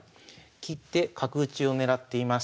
切って角打ちを狙っています。